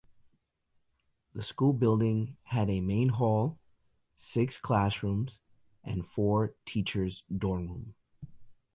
The school building had a main hall, six classrooms and four teachers dorm room.